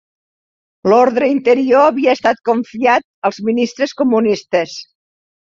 L'ordre interior havia estat confiat als ministres comunistes